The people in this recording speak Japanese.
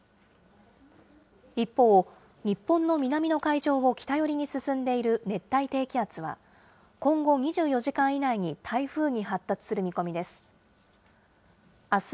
一方、日本の南の海上を北寄りに進んでいる熱帯低気圧は、今後２４時間以内に台風に発達する見込みです。